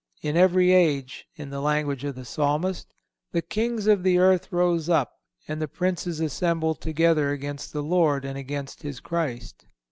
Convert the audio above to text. In every age, in the language of the Psalmist, "the kings of the earth rose up, and the princes assembled together against the Lord and against His Christ."